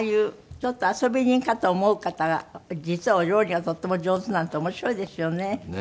ちょっと遊び人かと思う方が実はお料理がとっても上手なんて面白いですよね。